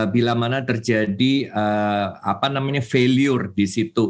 bila mana terjadi apa namanya failure di situ